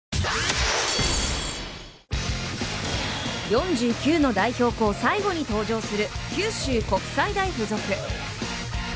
４９の代表校、最後に登場する九州国際大付属。